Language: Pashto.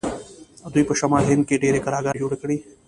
دوی په شمالي هند کې ډیرې کلاګانې جوړې کړې.